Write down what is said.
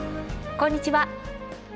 こんにちは。